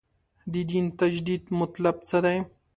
د دین تجدید مطلب څه دی.